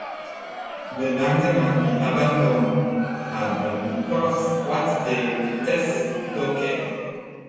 Le lendemain, il abandonne à la mi-course, boîte de vitesses bloquée.